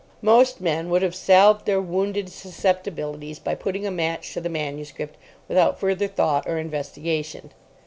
Most men would have salved their wounded susceptibilities by putting a match to the manuscript without further thought or investigation.